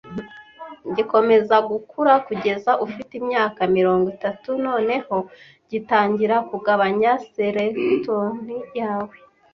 gikomeza gukura kugeza ufite imyaka mirongo itatu noneho gitangira kugabanya Skeleton yawe